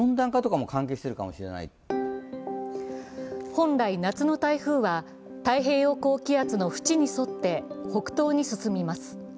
本来、夏の台風は太平洋高気圧の縁に沿って北東に進みます。